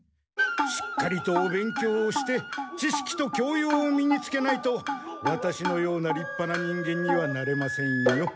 しっかりとお勉強をして知識と教養を身につけないとワタシのようなりっぱな人間にはなれませんよ。